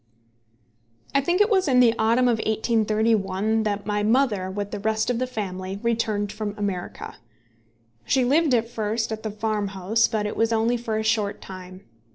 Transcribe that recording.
I think it was in the autumn of 1831 that my mother, with the rest of the family, returned from America. She lived at first at the farmhouse, but it was only for a short time.